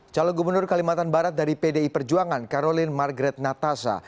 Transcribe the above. calon gubernur kalimantan barat dari pdi perjuangan karolin margret natasa